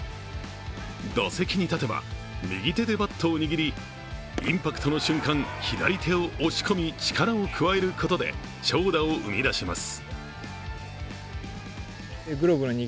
打席に立てば右手でバットを握りインパクトの瞬間、左手を押し込み力を加えることで長打を生み出します。